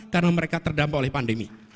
karena mereka terdampak oleh pandemi